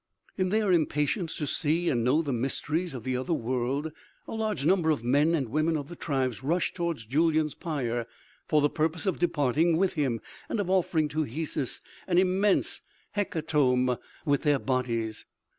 In their impatience to see and know the mysteries of the other world, a large number of men and women of the tribes rushed towards Julyan's pyre for the purpose of departing with him and of offering to Hesus an immense hecatomb with their bodies.